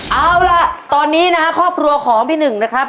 เอาล่ะตอนนี้นะฮะครอบครัวของพี่หนึ่งนะครับ